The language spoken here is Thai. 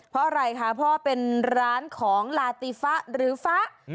เพราะอะไรคะเพราะว่าเป็นร้านของลาติฟะหรือฟ้า